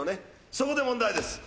そこで問題です。